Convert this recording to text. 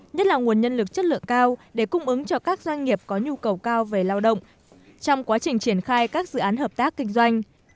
nhất là nguồn nhân lực chất lượng cao để cung ứng cho các doanh nghiệp có nhu cầu cao về lao động trong quá trình triển khai các dự án hợp tác kinh doanh